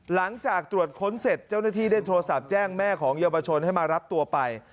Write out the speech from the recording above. หลังจากตรวจค้นเสร็จเจ้าหน้าที่ได้โทรศัพท์แจ้งแม่ของเยาวชนให้มารับตัวไป